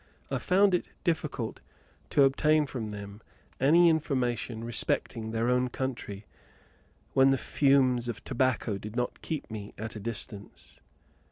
I found it difficult to obtain from them any information respecting their own country, when the fumes of tobacco did not keep me at a distance.